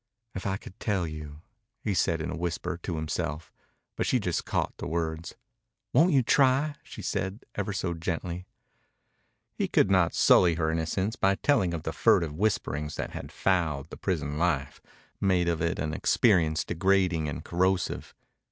"If I could tell you!" He said it in a whisper, to himself, but she just caught the words. "Won't you try?" she said, ever so gently. He could not sully her innocence by telling of the furtive whisperings that had fouled the prison life, made of it an experience degrading and corrosive.